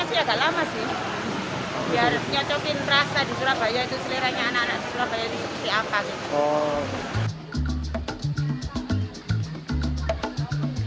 sih agak lama sih biar nyocokin perasa di surabaya itu seleranya anak anak surabaya itu seperti apa gitu